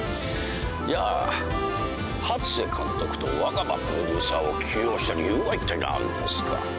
じゃあ初瀬監督と若葉プロデューサーを起用した理由はいったい何ですか？